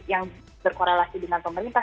yang berkorelasi dengan pemerintah